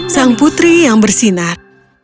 sang putri yang bersinar